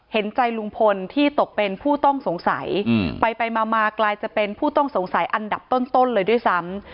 เห็นใจลุงพลที่ตกเป็นผู้ต้องสงสัยไปมากลายจะเป็นผู้ต้องสงสัยอันดับต้นเลยด้วยซ้ำ